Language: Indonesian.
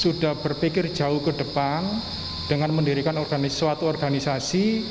sudah berpikir jauh ke depan dengan mendirikan suatu organisasi